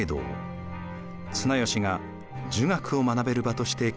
綱吉が儒学を学べる場として建設しました。